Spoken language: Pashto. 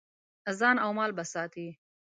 ځان او مال به ساتې.